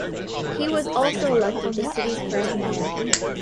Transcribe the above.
He was also elected the city's first mayor.